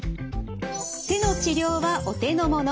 手の治療はお手のもの。